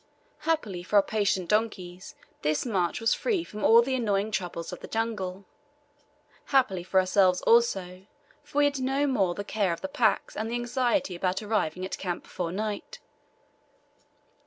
Happily for our patient donkeys this march was free from all the annoying troubles of the jungle. Happily for ourselves also, for we had no more the care of the packs and the anxiety about arriving at camp before night.